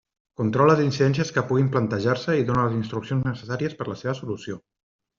Controla les incidències que puguin plantejar-se i dóna les instruccions necessàries per a la seva solució.